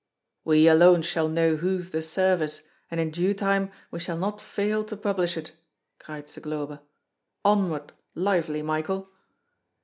"We alone shall know whose the service, and in due time we shall not fail to publish it!" cried Zagloba, "Onward, lively, Michael!"